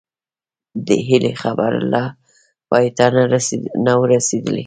د هيلې خبرې لا پای ته نه وې رسېدلې